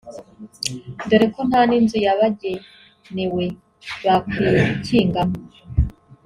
dore ko nta n’inzu yabagenewe bakwikingamo